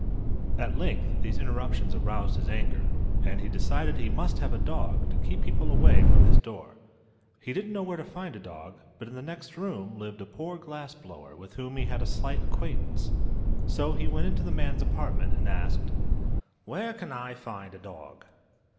At length these interruptions aroused his anger, and he decided he must have a dog to keep people away from his door. He didn't know where to find a dog, but in the next room lived a poor glass blower with whom he had a slight acquaintance; so he went into the man's apartment and asked: "Where can I find a dog?"